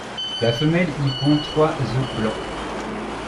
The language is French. La femelle y pond trois œufs blancs.